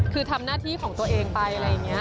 คือทำหน้าที่ของตัวเองไปอะไรอย่างนี้